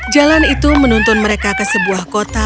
jalan itu menuntun mereka ke sebuah kota